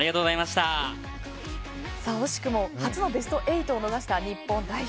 惜しくも初のベスト８を逃した日本代表。